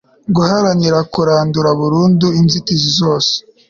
guharanira kurandura burundu inzitizi zose